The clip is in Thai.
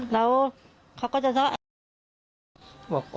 แล้วเขาก็จะชอบ